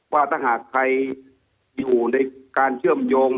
ว่าถ้าหากใครอยู่ในการเชื่อมโยง